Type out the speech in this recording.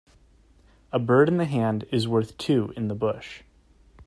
A bird in the hand is worth two in the bush.